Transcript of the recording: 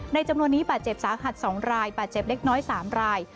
จำนวนนี้บาดเจ็บสาหัส๒รายบาดเจ็บเล็กน้อย๓ราย